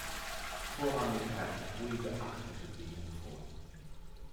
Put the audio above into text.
Vorrangig herrscht ruhige Achtelbewegung vor.